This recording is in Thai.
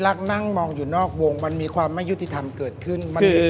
แต่ว่าหนูใจก่อนมาว่าหนูก็โอเคหนา